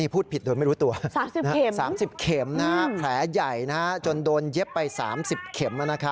พูดผิดโดยไม่รู้ตัว๓๐เข็มแผลใหญ่จนโดนเย็บไป๓๐เข็ม